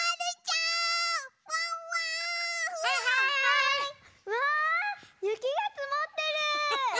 うわゆきがつもってる！